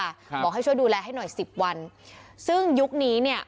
ครับบอกให้ช่วยดูแลให้หน่อยสิบวันซึ่งยุคนี้เนี้ย